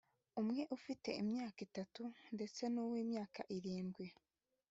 umwe ufite imyaka itatu ndetse n’uw’imyaka irindwi